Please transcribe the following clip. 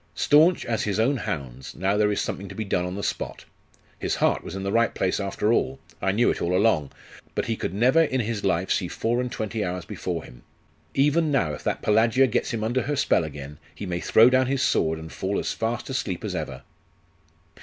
'Staunch as his own hounds, now there is something to be done on the spot. His heart was in the right place after all. I knew it all along. But he could never in his life see four and twenty hours before him. Even now if that Pelagia gets him under her spell again, he may throw down his sword, and fall as fast asleep as ever.